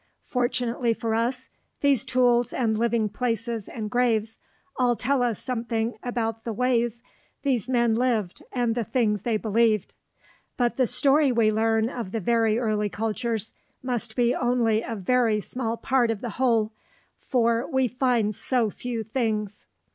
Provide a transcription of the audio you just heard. Fortunately for us, these tools and living places and graves all tell us something about the ways these men lived and the things they believed. But the story we learn of the very early cultures must be only a very small part of the whole, for we find so few things.